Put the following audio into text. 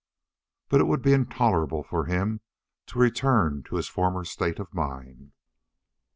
But it would be intolerable for him to return to his former state of mind.